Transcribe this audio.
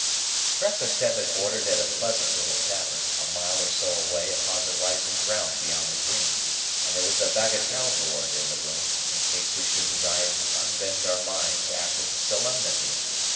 Breakfast had been ordered at a pleasant little tavern, a mile or so away upon the rising ground beyond the green; and there was a bagatelle board in the room, in case we should desire to unbend our minds after the solemnity.